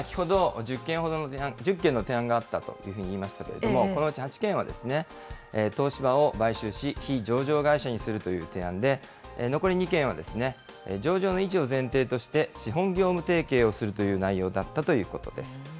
先ほど、１０件の提案があったというふうに言いましたけれども、このうち８件はですね、東芝を買収し、非上場会社にするという提案で、残り２件はですね、上場の維持を前提として資本業務提携をするという内容だったということです。